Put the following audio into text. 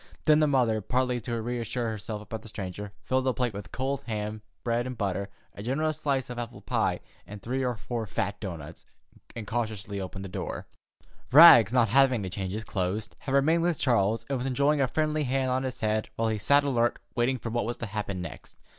Then the mother, partly to reassure herself about the stranger, filled a plate with cold ham, bread and butter, a generous slice of apple pie, and three or four fat doughnuts, and cautiously opened the front door. Rags, not having to change his clothes, had remained with Charles, and was enjoying a friendly hand on his head while he sat alert waiting for what was to happen next.